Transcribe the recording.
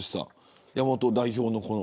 山本代表の。